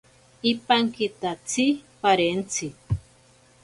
Ipankitatsi parentzi.